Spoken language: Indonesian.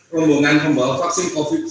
rombongan pembawa vaksin covid sembilan belas